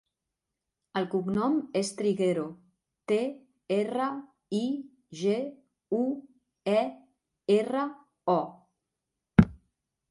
El cognom és Triguero: te, erra, i, ge, u, e, erra, o.